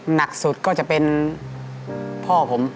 หนักสุดก็จะเป็นพ่อผม